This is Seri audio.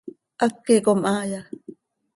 ¿Háqui com haaya?